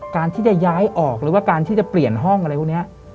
การที่จะย้ายออกหรือว่าการที่จะเปลี่ยนห้องอะไรพวกนี้